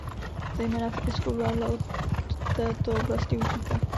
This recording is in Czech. Zejména v Irsku vláda od této oblasti utíká.